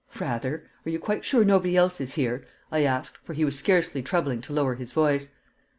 "Rather! Are you quite sure nobody else is here?" I asked, for he was scarcely troubling to lower his voice.